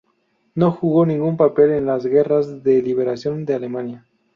No jugó ningún papel en las guerras de liberación de Alemania.